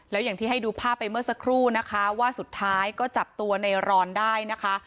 แล้วอย่างที่ให้ดูภาพไปเมื่อสักครู่นะคะว่าสุดท้ายก็จับตัวในรอนได้นะคะ